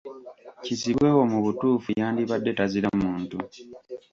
Kizibwe wo mu butuufu yandibadde tazira muntu.